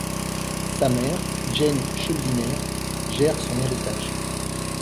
Sa mère, Jane Schuldiner, gère son héritage.